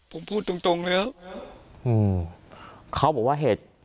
ผมพูดตรงตรงเลยครับอืมเขาบอกว่าเหตุ